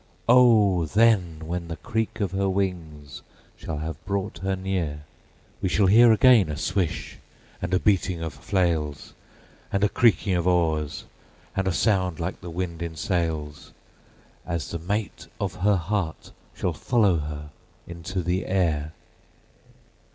Oh! then when the creak of her wings shall have brought her near, We shall hear again a swish, and a beating of flails, And a creaking of oars, and a sound like the wind in sails, As the mate of her heart shall follow her into the air.